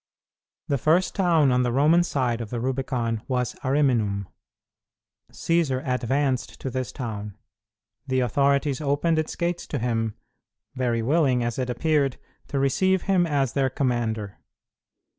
The first town on the Roman side of the Rubicon was Ariminum. Cćsar advanced to this town. The authorities opened its gates to him very willing, as it appeared, to receive him as their commander.